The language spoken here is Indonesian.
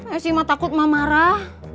esy emak takut emak marah